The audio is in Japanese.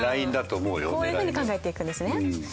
こういうふうに考えていくんですね。